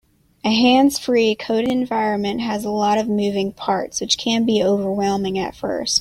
A hands-free coding environment has a lot of moving parts, which can be overwhelming at first.